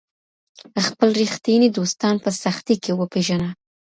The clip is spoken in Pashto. خپل ریښتیني دوستان په سختۍ کي وپیژنه.